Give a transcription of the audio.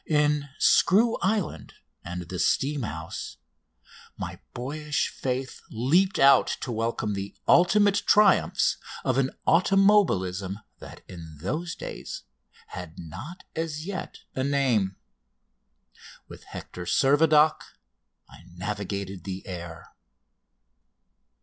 In "Screw Island" and "The Steam House" my boyish faith leaped out to welcome the ultimate triumphs of an automobilism that in those days had not as yet a name. With Hector Servadoc I navigated the air.